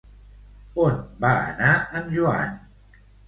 On va anar en Joan?